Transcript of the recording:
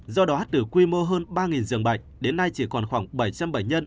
do đó từ quy mô hơn ba giường bệnh đến nay chỉ còn khoảng bảy trăm linh bệnh nhân